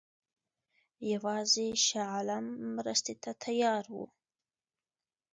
یوازې شاه عالم مرستې ته تیار وو.